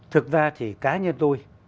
thực ra thì cá nhân tôi